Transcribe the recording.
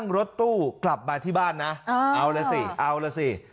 รถตู้กลับมาที่บ้านนะเอาล่ะสิเอาล่ะสิ